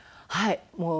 はい。